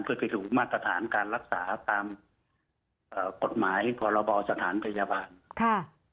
เพื่อไปสู่มาตรฐานการรักษาตามกฎหมายพรบสถานพยาบาลค่ะ